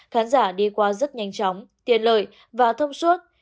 khán giả đi qua rất nhanh chóng tiện lợi và thông suốt